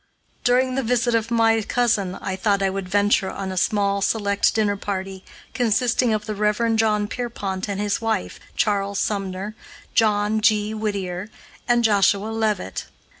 During the visit of my cousin I thought I would venture on a small, select dinner party, consisting of the Rev. John Pierpont and his wife, Charles Sumner, John G. Whittier, and Joshua Leavitt.